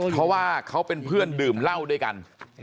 เพราะว่าเขาเป็นเพื่อนดื่มเหล้าด้วยกัน